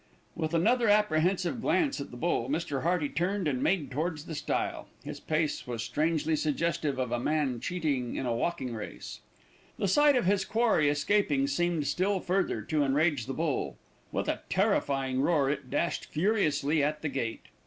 With another apprehensive glance at the bull, Mr. Hearty turned and made towards the stile. His pace was strangely suggestive of a man cheating in a walking race. The sight of his quarry escaping seemed still further to enrage the bull. With a terrifying roar it dashed furiously at the gate.